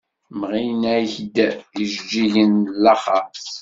Mɣin-ak-d ijeǧǧigen n laxeṛt.